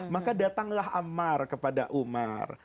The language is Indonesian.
maka datanglah amar kepada umar